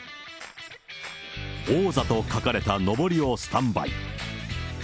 王座と書かれたのぼりをスタンバイ。